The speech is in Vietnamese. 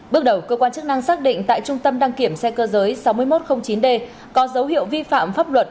bước đầu cơ quan chức năng xác định tại trung tâm đăng kiểm xe cơ giới sáu nghìn một trăm linh chín d có dấu hiệu vi phạm pháp luật